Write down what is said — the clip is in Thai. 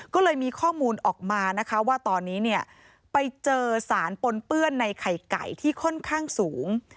ก็เลยมีข้อมูลออกมานะคะว่าตอนนี้เนี่ยไปเจอสารปนเปื้อนในไข่ไก่ที่ค่อนข้างสูง